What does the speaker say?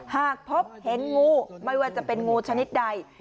หากพบเห็นงูไม่ว่าจะเป็นงูชนิดใด